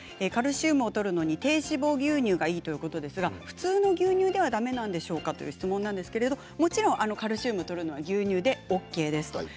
カルシウムをとるのに低脂肪牛乳がいいということですが普通の牛乳ではだめなんでしょうかという質問なんですがもちろんカルシウムをとるのは牛乳でＯＫです。